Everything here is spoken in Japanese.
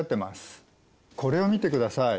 これを見てください。